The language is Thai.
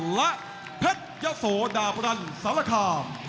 และเพชรยะโสดาบรันสารคาม